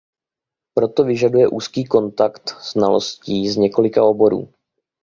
Proto vyžaduje úzký kontakt znalostí z několika oborů.